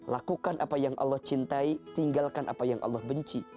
lakukan apa yang allah cintai tinggalkan apa yang allah benci